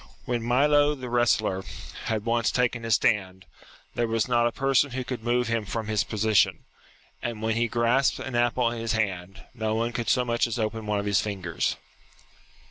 When Milo, the wrestler, had once taken his stand, there was not a person who could move him from his position ; and when he grasped an apple in his hand, no one could so much as open one of his fingers.